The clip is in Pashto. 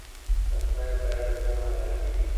د خدای په یاد زړونه ارامېږي.